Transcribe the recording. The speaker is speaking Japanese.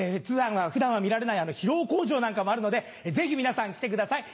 普段は見られない披露口上なんかもあるのでぜひ皆さん来てください。